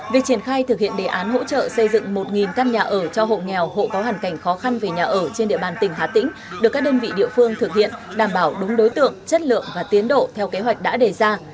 việc triển khai thực hiện đề án hỗ trợ xây dựng một căn nhà ở cho hộ nghèo hộ có hoàn cảnh khó khăn về nhà ở trên địa bàn tỉnh hà tĩnh được các đơn vị địa phương thực hiện đảm bảo đúng đối tượng chất lượng và tiến độ theo kế hoạch đã đề ra